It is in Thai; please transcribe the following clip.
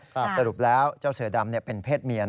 สรุปแล้วเจ้าเสือดำเป็นเพศเมีย